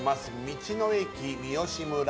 道の駅三芳村